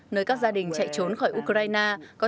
nơi các gia đình chạy trốn khỏi ukraine